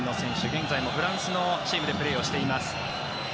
現在もフランスのチームでプレーをしています。